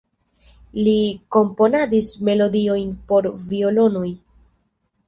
Li komponadis melodiojn por violonoj.